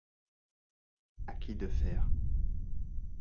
À qui de faire ?